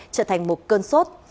trở thành một cơn sốt